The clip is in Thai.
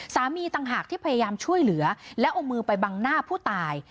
ต่างหากที่พยายามช่วยเหลือแล้วเอามือไปบังหน้าผู้ตาย